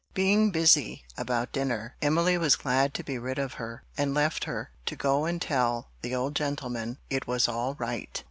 Being busy about dinner, Emily was glad to be rid of her, and left her, to go and tell the old gentleman it was all right.